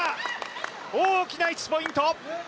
大きな１ポイント！